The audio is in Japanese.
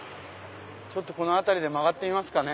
この辺りで曲がってみますかね。